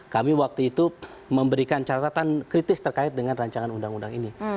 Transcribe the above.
kami waktu itu memberikan catatan kritis terkait dengan rancangan undang undang ini